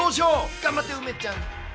頑張って、梅ちゃん。